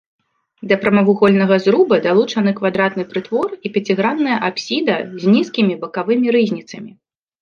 Да прамавугольнага зруба далучаны квадратны прытвор і пяцігранная апсіда з нізкімі бакавымі рызніцамі.